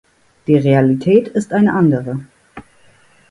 Die Realität ist eine andere.